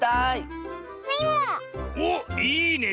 おっいいね。